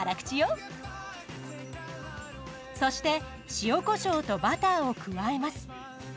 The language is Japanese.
そして塩コショウとバターを加えます。